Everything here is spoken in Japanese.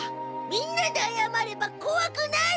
みんなであやまれば怖くない！